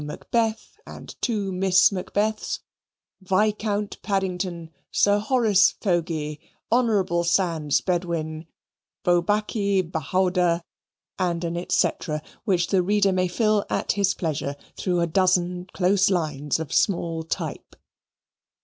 Macbeth, and (2) Miss Macbeths; Viscount Paddington, Sir Horace Fogey, Hon. Sands Bedwin, Bobachy Bahawder," and an &c., which the reader may fill at his pleasure through a dozen close lines of small type.